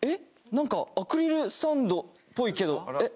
何かアクリルスタンドっぽいけどえっ